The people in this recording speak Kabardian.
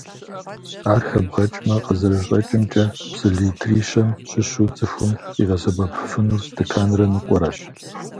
Ар хэбгъэкӀмэ, къызэрыщӀэкӀымкӀэ, псы литри щэм щыщу цӀыхум къигъэсэбэпыфынур стэканрэ ныкъуэрэщ.